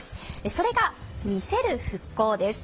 それが、見せる復興です。